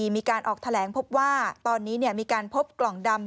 มีการออกแถลงพบว่าตอนนี้มีการพบกล่องดำ